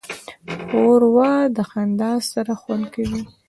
ښوروا د خندا سره خوند کوي.